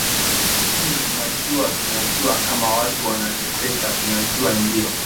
lakini tunajua tunajua kama watu wanateseka tunajua ndio